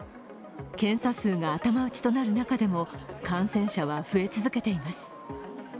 検査数が頭打ちとなる中でも感染者は増え続けています。